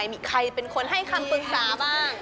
มีใครเป็นคนให้คำปรึกษาบ้าง